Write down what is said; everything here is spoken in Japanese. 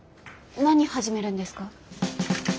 何始めるんですか？